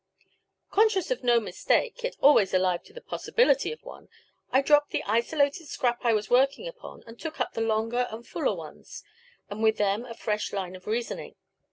Conscious of no mistake, yet always alive to the possibility of one, I dropped the isolated scrap I was working upon and took up the longer and fuller ones, and with them a fresh line of reasoning.